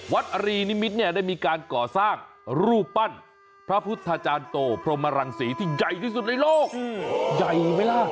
รีนิมิตรเนี่ยได้มีการก่อสร้างรูปปั้นพระพุทธาจารย์โตพรหมรังศรีที่ใหญ่ที่สุดในโลกใหญ่ไหมล่ะ